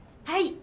はい。